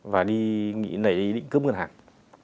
và đi lấy định cướp ngân hàng